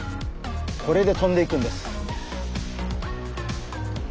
これで飛んでいくんです。